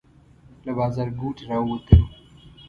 له بازارګوټي راووتلو.